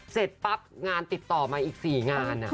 เสร็จปั๊บงานติดต่อมาอีก๔งาน